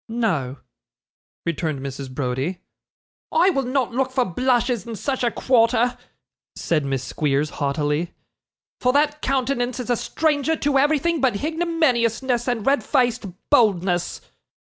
'No,' returned Mrs. Browdie. 'I will not look for blushes in such a quarter,' said Miss Squeers, haughtily, 'for that countenance is a stranger to everything but hignominiousness and red faced boldness.